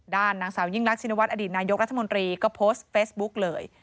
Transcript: นางสาวยิ่งรักชินวัฒนอดีตนายกรัฐมนตรีก็โพสต์เฟซบุ๊กเลย